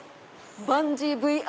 バンジーＶＲ！